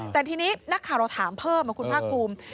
แต่ทีนี้นักข่าวเราถามเพิ่มคุณภาคภูมิ